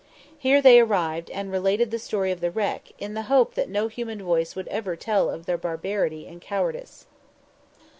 Here they arrived, and related the story of the wreck, in the hope that no human voice would ever tell of their barbarity and cowardice.